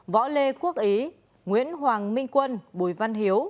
võ lê quốc ý nguyễn hoàng minh quân bùi văn hiếu